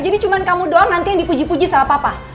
jadi cuma kamu doang nanti yang dipuji puji sama papa